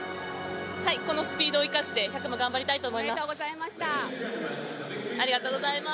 このスピードを生かして、１００も頑張りたいと思います。